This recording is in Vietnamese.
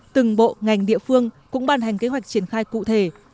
từng bộ ngành địa phương cũng ban hành kế hoạch triển khai cụ thể